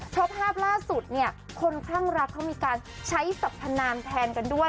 เพราะภาพล่าสุดเนี่ยคนคลั่งรักเขามีการใช้สัพพนามแทนกันด้วย